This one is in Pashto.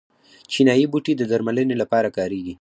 چینايي بوټي د درملنې لپاره کاریږي.